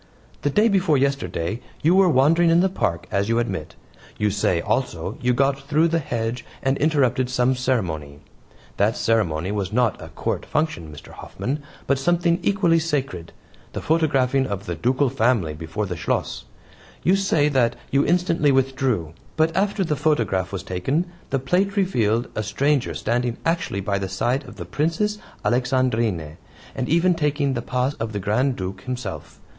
The day before yesterday you were wandering in the park, as you admit. You say, also, you got through the hedge and interrupted some ceremony. That ceremony was not a Court function, Mr. Hoffman, but something equally sacred the photographing of the Ducal family before the Schloss. You say that you instantly withdrew. But after the photograph was taken the plate revealed a stranger standing actually by the side of the Princess Alexandrine, and even taking the PAS of the Grand Duke himself.